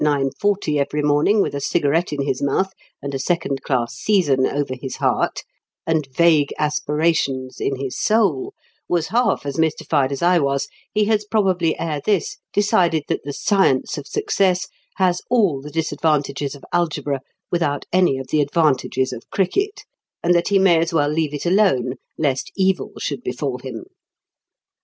40 every morning with a cigarette in his mouth and a second class season over his heart and vague aspirations in his soul, was half as mystified as I was, he has probably ere this decided that the science of success has all the disadvantages of algebra without any of the advantages of cricket, and that he may as well leave it alone lest evil should befall him.